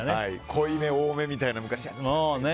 濃いめ、多めみたいなの昔ね。